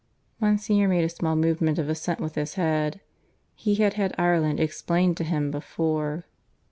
Monsignor made a small movement of assent with his head. (He had had Ireland explained to him before.)